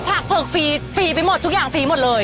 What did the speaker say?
ผักเผิกฟรีฟรีไปหมดทุกอย่างฟรีหมดเลย